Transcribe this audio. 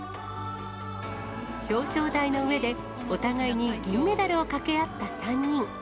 表彰台の上で、お互いに銀メダルをかけ合った３人。